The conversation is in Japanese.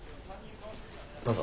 どうぞ。